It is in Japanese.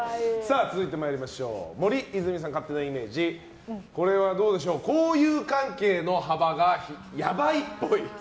続いて森泉さんの勝手なイメージ交友関係の幅がヤバいっぽい。